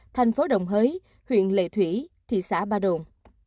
thành phố đồng hới huyện lệ thủy thị xã ba đồn